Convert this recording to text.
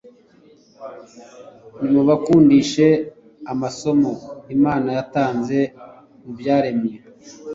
nimubakundishe amasomo Imana yatanze mu byaremwe.